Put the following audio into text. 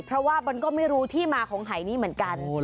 เพราะว่ามันก็ไม่รู้ที่มาของหายนี้เหมือนกัน